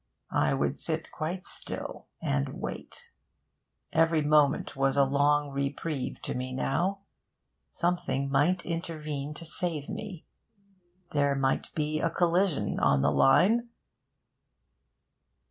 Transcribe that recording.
I would sit quite still and wait. Every moment was a long reprieve to me now. Something might intervene to save me. There might be a collision on the line.